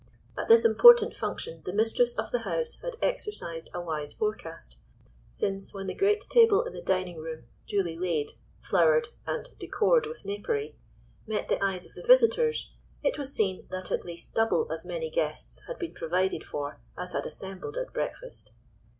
At this important function the mistress of the house had exercised a wise forecast, since, when the great table in the dining room, duly laid, flowered, and "decored with napery," met the eyes of the visitors, it was seen that at least double as many guests had been provided for as had assembled at breakfast.